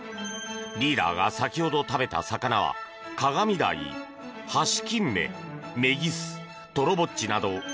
リーダーが先ほど食べた魚はカガミダイ、ハシキンメメギス、トロボッチなど。